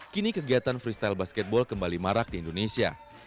kini kegiatan freestyle basketball kembali marak di indonesia